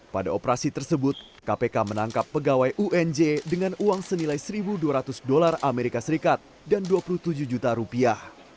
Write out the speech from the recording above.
pada operasi tersebut kpk menangkap pegawai unj dengan uang senilai satu dua ratus dolar as dan dua puluh tujuh juta rupiah